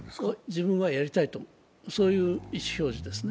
自分はやりたいと、そういう意思表示ですね。